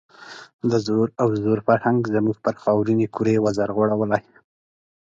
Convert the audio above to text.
د زرو او زور فرهنګ زموږ پر خاورینې کُرې وزر غوړولی.